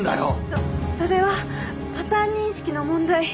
そそれはパターン認識の問題。